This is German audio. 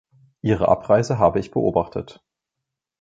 Ihre Abreise habe ich beobachtet.